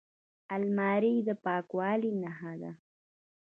الماري د پاکوالي نښه ده